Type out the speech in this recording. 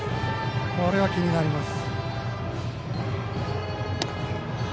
これは気になります。